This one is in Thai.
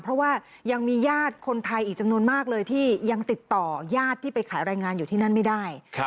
เพราะว่ายังมีญาติคนไทยอีกจำนวนมากเลยที่ยังติดต่อยาดที่ไปขายรายงานอยู่ที่นั่นไม่ได้